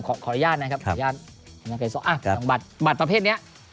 ขออนุญาตนะครับขออนุญาตบัตรประเภทเนี่ย